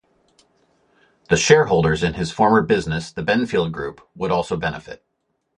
The shareholders in his former business, The Benfield Group, would also benefit.